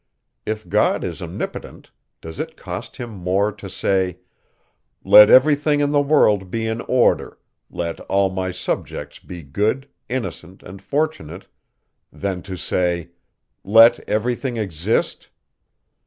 If God is omnipotent, does it cost him more to say: "Let every thing in the world be in order; let all my subjects be good, innocent, and fortunate," than to say: "Let every thing exist"?